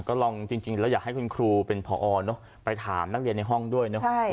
ก็ลองจริงแล้วอยากให้คุณครูเป็นผอเนอะไปถามนักเรียนในห้องด้วยเนอะ